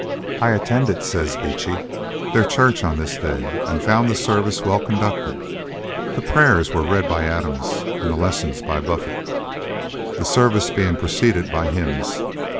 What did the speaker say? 'I attended,' says Beechey, 'their church on this day, and found the service well conducted; the prayers were read by Adams, and the lessons by Buffet, the service being preceded by hymns.